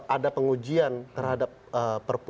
ada pengujian terhadap perpu